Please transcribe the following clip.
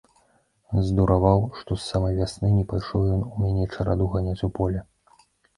Здураваў, што з самай вясны не пайшоў ён у мяне чараду ганяць у поле.